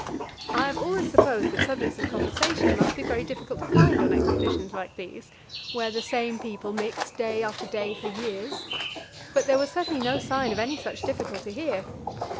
I have always supposed that subjects of conversation must be very difficult to find on expeditions like these, where the same people mix day after day for years; but there was certainly no sign of any such difficulty here.